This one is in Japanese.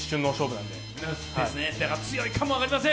だから強いかも分かりません。